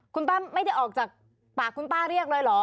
คุณป้าไม่ได้ออกจากปากคุณป้าเรียกเลยเหรอ